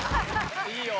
いいよ！